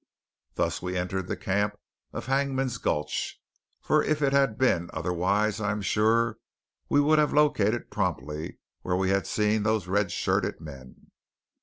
Thus we entered the camp of Hangman's Gulch; for if it had been otherwise I am sure we would have located promptly where we had seen those red shirted men.